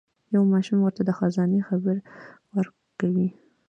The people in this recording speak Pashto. یو ماشوم ورته د خزانې خبر ورکوي.